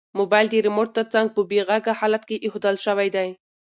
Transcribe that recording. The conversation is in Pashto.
موبایل د ریموټ تر څنګ په بې غږه حالت کې ایښودل شوی دی.